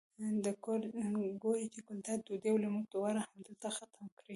ګوري چې ګلداد ډوډۍ او لمونځ دواړه همدلته ختم کړي.